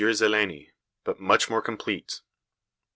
Zeleny, but much more complete.